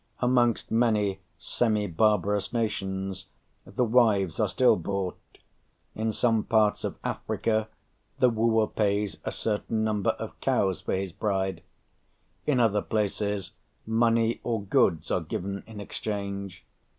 Amongst many semi barbarous nations the wives are still bought; in some parts of Africa the wooer pays a certain number of cows for his bride; in other places, money or goods are given in exchange.